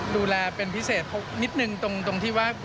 ดูแลเป็นพิเศษนิดนึงตรงที่ว่า